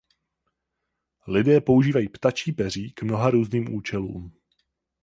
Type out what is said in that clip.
Lidé používají ptačí peří k mnoha různým účelům.